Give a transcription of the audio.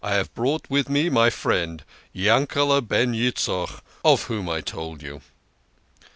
have brought with me my friend Yankele" ben Yitzchok of whom I told you."